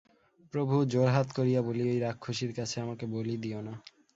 প্রভু, জোড়হাত করিয়া বলি, ঐ রাক্ষসীর কাছে আমাকে বলি দিয়ো না।